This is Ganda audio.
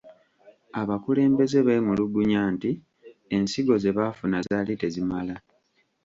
Abakulembeze beemulugunya nti ensigo ze baafuna zaali tezimala